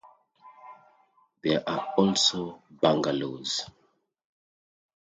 There are also bungalows.